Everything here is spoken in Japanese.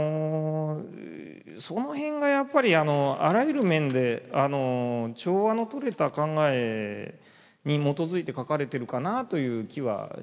その辺がやっぱりあらゆる面で調和のとれた考えに基づいて書かれているかなという気はしますね。